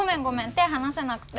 手離せなくて。